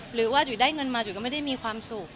หรือว่าจุ๋ยได้เงินมาจุ๋ยก็ไม่ได้มีความสุข